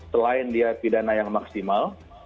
selain dia pidana yang maksimal